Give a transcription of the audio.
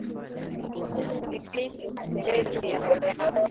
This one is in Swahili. Dhibiti matembezi ya wanyama